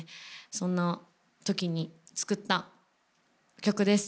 そんなときに作った曲です。